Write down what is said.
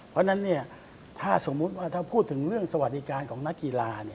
เพราะฉะนั้นถ้าสมมุติว่าถ้าพูดถึงเรื่องสวัสดิการของนักกีฬา